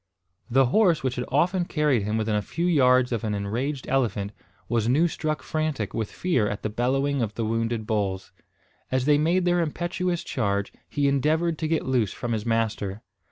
The horse which had often carried him within a few yards of an enraged elephant, was new struck frantic with fear at the bellowing of the wounded bulls. As they made their impetuous charge, he endeavoured to get loose from his master.